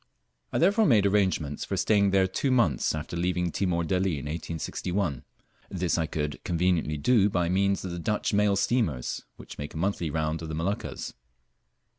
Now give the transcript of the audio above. I therefore made arrangements for staying there two months after leaving Timor Delli in 1861. This I could conveniently do by means of the Dutch mail steamers, which make a monthly round of the Moluccas.